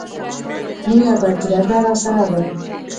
لویه بدرګه راسره وه.